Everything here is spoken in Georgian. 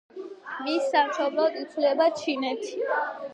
მის სამშობლოდ ითვლება ჩინეთი.